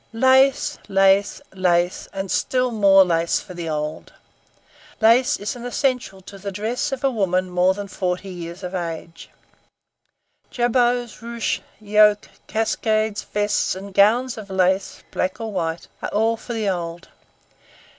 Lace! Lace! Lace! and still more Lace for the old. Lace is an essential to the dress of a woman more than forty years of age. Jabots, ruches, yokes, cascades, vests, and gowns of lace, black or white, are all for the old.